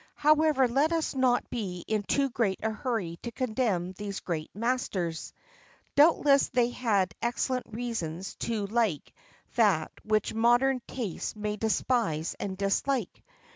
However, let us not be in too great a hurry to condemn these great masters. Doubtless they had excellent reasons to like that which modern taste may despise and dislike.